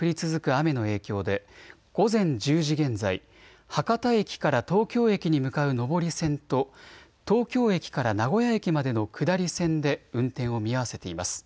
雨の影響で午前１０時現在、博多駅から東京駅に向かう上り線と東京駅から名古屋駅までの下り線で運転を見合わせています。